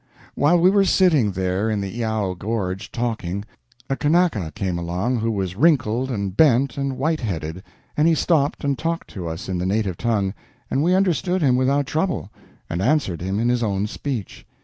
While we were sitting there in the lao gorge talking, a Kanaka came along who was wrinkled and bent and white headed, and he stopped and talked to us in the native tongue, and we understood him without trouble and answered him in his own speech.